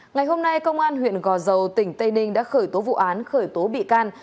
ngày hôm nay công an huyện gò dầu tỉnh tây ninh đã khởi tố vụ án khởi tố bị can